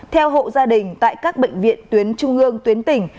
theo hộ gia đình tại các bệnh viện tuyến trung ương tuyến tỉnh